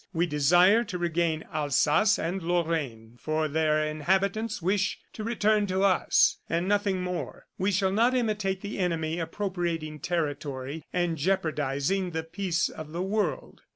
We desire to regain Alsace and Lorraine, for their inhabitants wish to return to us ... and nothing more. We shall not imitate the enemy, appropriating territory and jeopardizing the peace of the world.